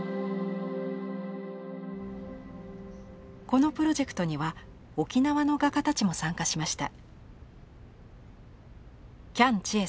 このプロジェクトには沖縄の画家たちも参加しました。